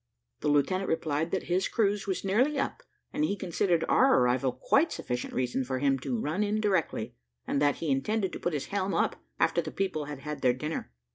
The lieutenant replied that his cruise was nearly up; and he considered our arrival quite sufficient reason for him to run in directly, and that he intended to put his helm up after the people had had their dinner.